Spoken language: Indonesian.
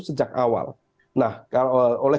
sejak awal nah oleh